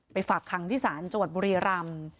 ไปฝากขังที่ศาลจวดบุรีรำ